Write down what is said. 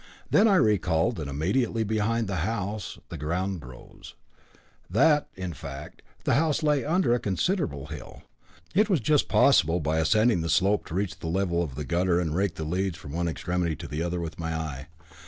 Then I recalled that immediately behind the house the ground rose; that, in fact, the house lay under a considerable hill. It was just possible by ascending the slope to reach the level of the gutter and rake the leads from one extremity to the other with my eye.